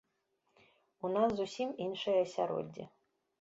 У нас зусім іншае асяроддзе.